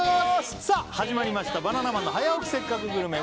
さあ始まりました「バナナマンの早起きせっかくグルメ！！」